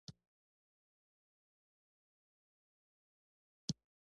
هغه ټول تکلیفونه ولیکل.